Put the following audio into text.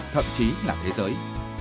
thậm chí là thế giới